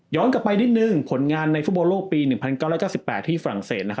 กลับไปนิดนึงผลงานในฟุตบอลโลกปี๑๙๙๘ที่ฝรั่งเศส